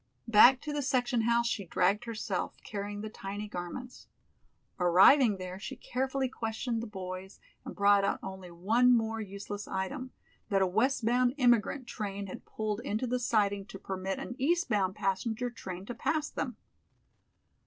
Back to the section house she dragged herself carrying the tiny garments. Arriving there, she carefully questioned the boys and brought out only one more useless item, that a westbound immigrant train had pulled into the siding to permit an eastbound passenger train to pass them.